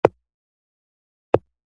ګوجران ولې کوچي ژوند لري؟